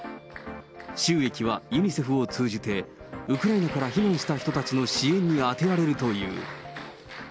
収益はユニセフを通じて、ウクライナから避難した人たちへの支援に充てられるという。